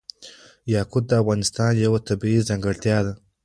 یاقوت د افغانستان یوه طبیعي ځانګړتیا ده.